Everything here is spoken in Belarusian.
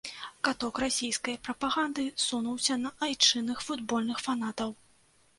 Каток расійскай прапаганды сунуўся на айчынных футбольных фанатаў.